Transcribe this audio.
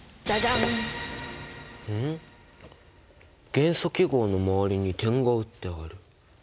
元素記号の周りに点が打ってある。